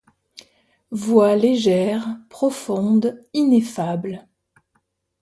Voix légère, profonde, ineffable.